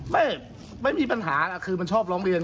ไม่ไม่มีปัญหาคือมันชอบร้องเรียน